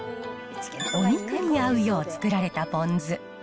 お肉に合うよう作られたポン酢。